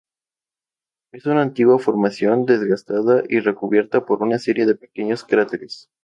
Es una antigua formación, desgastada y recubierta por una serie de pequeños cráteres.